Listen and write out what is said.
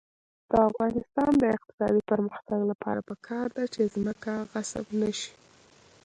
د افغانستان د اقتصادي پرمختګ لپاره پکار ده چې ځمکه غصب نشي.